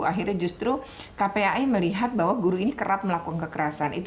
akhirnya justru kpai melihat bahwa guru ini kerap melakukan kekerasan